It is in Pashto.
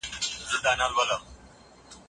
په پلي تګ کې د نورو ارامي نه خرابېږي.